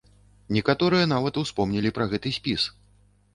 Некаторыя нават успомнілі пра гэты спіс.